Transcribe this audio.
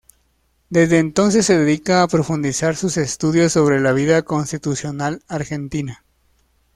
Desde entonces se dedica a profundizar sus estudios sobre la vida constitucional argentina.